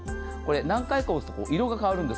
何回か押すと色が変わるんです。